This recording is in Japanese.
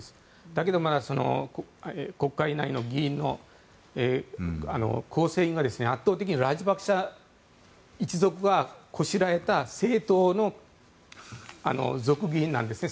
だけど、まだ国会内の議員の構成員が圧倒的にラジャパクサ一族がこしらえた政党の族議員なんですね。